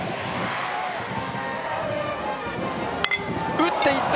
打っていった！